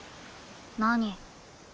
何？